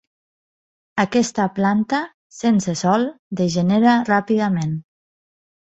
Aquesta planta, sense sol, degenera ràpidament.